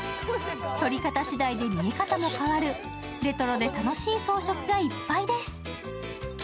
撮り方しだいで見え方も変わるレトロで楽しい装飾がいっぱいです。